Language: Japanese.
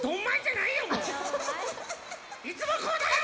いつもこうだよ！